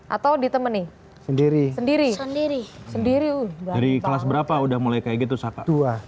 atau ditemenin sendiri sendiri sendiri sendiri dari kelas berapa udah mulai kayak gitu saka dua